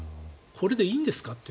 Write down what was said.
これでいいんですか？